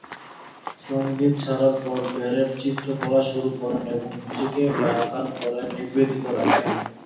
সঙ্গীত ছাড়ার পর, ব্যারেট চিত্রকলা শুরু করেন এবং নিজেকে বাগান করায় নিবেদিত রাখেন।